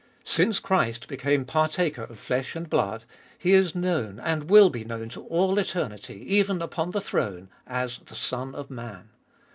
Since Christ became partaker of flesh and blood, He is known, and will be to all eternity, even upon the throne, as the Son of Man.